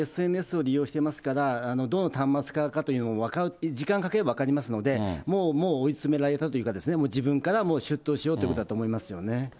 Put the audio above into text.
ＳＮＳを利用してますから、どの端末からかというのも分かる、時間かければ分かりますので、もうもう、追い詰められたというか、自分から出頭しようということだと思いますよね。